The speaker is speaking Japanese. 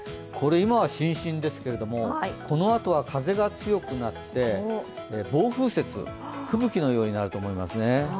今はしんしんですけれどもこのあとは風が強くなって暴風雪、吹雪のようになると思いますね。